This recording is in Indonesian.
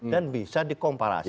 dan bisa dikomparasi